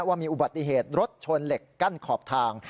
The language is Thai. ว่ามีอุบัติเหตุรถชนเหล็กกั้นขอบทาง